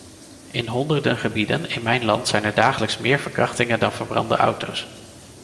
In honderden gebieden in mijn land zijn er dagelijks meer verkrachtingen dan verbrande auto's.